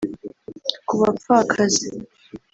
Ku bapfakazi